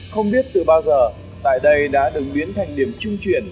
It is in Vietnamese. không biết từ bao giờ tại đây đã được biến thành điểm trung chuyển